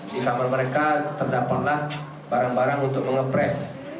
di kamar mereka terdapatlah barang barang untuk mengepres